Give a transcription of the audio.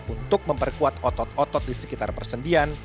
untuk memperkuat otot otot di sekitar persendian